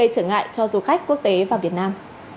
cho du khách quốc tế và việt nam